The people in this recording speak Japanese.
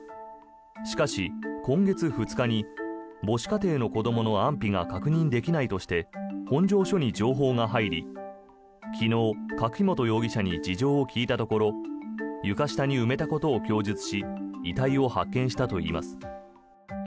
しかし、今月２日に母子家庭の子どもの安否が確認できないとして本庄署に情報が入り昨日、柿本容疑者に事情を聴いたところ床下に埋めたことを供述し遺体を発見したといいます。